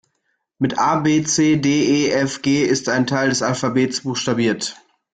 Mit A-B-C-D-E-F-G ist ein Teil des Alphabets buchstabiert!